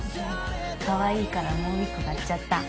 かわいいからもう一個買っちゃった。